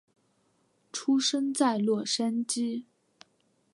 出生在洛杉矶。